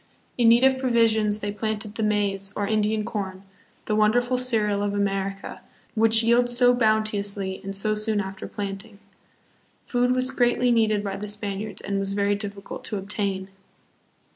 In need of provisions, they planted the maize, or Indian corn, the wonderful cereal of America, which yields so bounteously, and so soon after planting. Food was greatly needed by the Spaniards and was very difficult to obtain.